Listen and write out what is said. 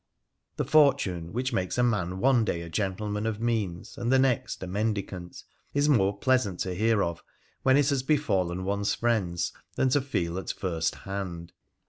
The fortune which makes a man one day a gentleman of means and the next a mendicant is more plea sant to hear of when it has befallen one's friends than to feel at first hand.